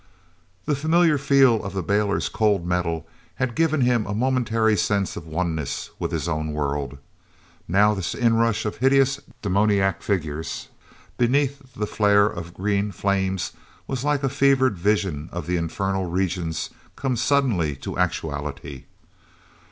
The familiar feel of the bailer's cold metal had given him a momentary sense of oneness with his own world. Now this inrush of hideous, demoniac figures beneath the flare of green flames was like a fevered vision of the infernal regions come suddenly to actuality.